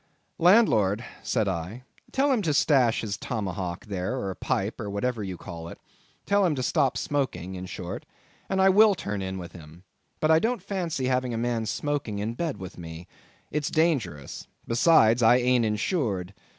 "Landlord," said I, "tell him to stash his tomahawk there, or pipe, or whatever you call it; tell him to stop smoking, in short, and I will turn in with him. But I don't fancy having a man smoking in bed with me. It's dangerous. Besides, I ain't insured."